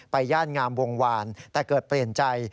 ย่านงามวงวานแต่เกิดเปลี่ยนใจ